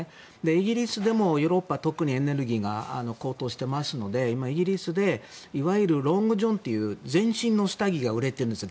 イギリスでもヨーロッパ特にエネルギーが高騰していますのでイギリスでいわゆるロングジョンという全身の下着が売れてるんです。